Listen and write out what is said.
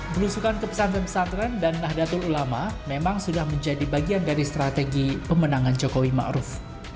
belusukan ke pesantren pesantren dan nahdlatul ulama memang sudah menjadi bagian dari strategi pemenangan jokowi ⁇ maruf ⁇